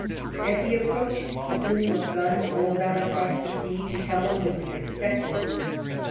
As he approached, the boom of guns rolled out across the sea to tell him he was expected.